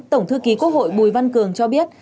tổng thư ký quốc hội bùi văn cường cho biết